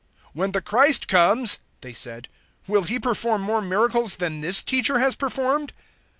"When the Christ comes," they said, "will He perform more miracles than this teacher has performed?"